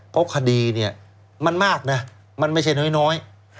เพราะว่าคดีมันมากมันไม่ใช่น้อย